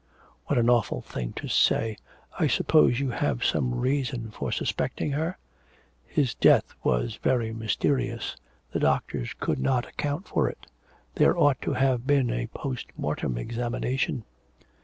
'What an awful thing to say.... I suppose you have some reason for suspecting her?' 'His death was very mysterious. The doctors could not account for it. There ought to have been a post mortem examination.'